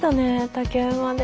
竹馬で。